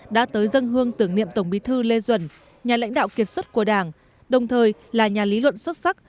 đã tới dân hương tưởng niệm tổng bí thư lê duẩn nhà lãnh đạo kiệt xuất của đảng đồng thời là nhà lý luận xuất sắc